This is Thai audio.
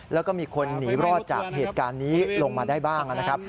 แล้วก็มีคนหนีรอดจากเหตุการณ์นี้ลงมาได้บ้างนะครับ